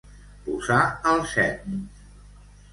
Posar al cep.